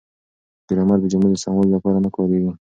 ګرامر د جملو د سموالي لپاره نه کاریږي.